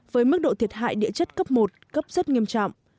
với mức độ thiệt hại địa chất cấp một cấp rất nghiêm trọng